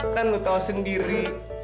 kan lo tau sendiri